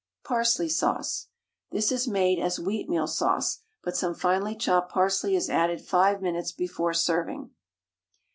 PARSLEY SAUCE. This is made as "Wheatmeal Sauce," but some finely chopped parsley is added five minutes before serving.